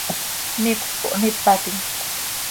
Micös cohnípatim.